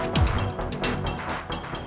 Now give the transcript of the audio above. kok kamu buru buru banget sih